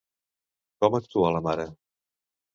Com actua la mare?